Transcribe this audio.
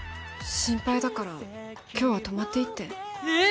心配だから今日は泊まっていってええ！？